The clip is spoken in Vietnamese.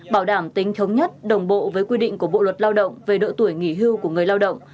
bảo đảm tính thống nhất đồng bộ với quy định của bộ luật lao động về độ tuổi nghỉ hưu của người lao động